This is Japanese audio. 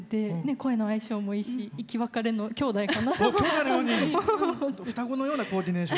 声の相性もいいし、生き別れのきょうだいかなと思うぐらい。